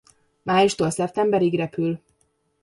Májustól szeptemberig repül.